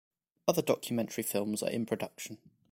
Other documentary films are in production.